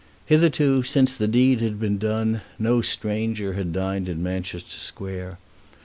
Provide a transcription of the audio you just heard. Hitherto, since the deed had been done, no stranger had dined in Manchester Square.